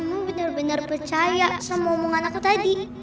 kamu benar benar percaya sama omongan aku tadi